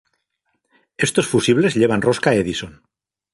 Estos fusibles llevan rosca Edison.